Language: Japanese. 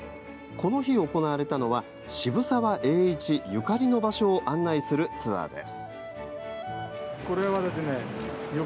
この日、行われたのは渋沢栄一ゆかりの場所を案内するツアーです。